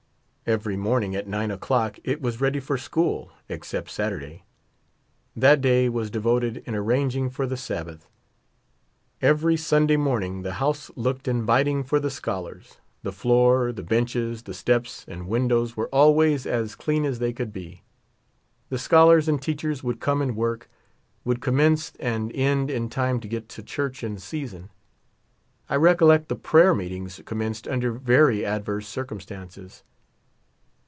Every morning at nine o'clock it was ready for school, except Saturday ; that day was devoted in arranging for the Sabbath. Every Sunday morning the house looked inviting for the scholars — the floor, the benches, the steps, and windows were always as clean as they could be. The scholars and teachers would come and work ; would commence and end in time to get to church in season. I recollect the prayer meetings commenced under very adverse cir cumstances.